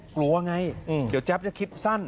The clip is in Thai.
กลัวไงเดี๋ยวแจ๊บจะคิดสั้น